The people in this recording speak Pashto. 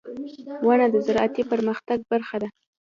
• ونه د زراعتي پرمختګ برخه ده.